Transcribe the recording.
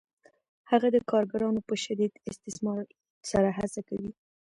هغه د کارګرانو په شدید استثمار سره هڅه کوي